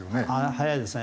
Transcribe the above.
早いですね。